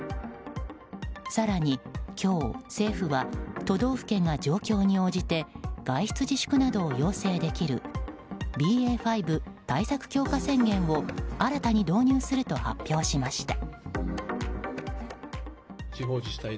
更に今日、政府は都道府県が状況に応じて外出自粛などを要請できるＢＡ．５対策強化宣言を新たに導入すると発表しました。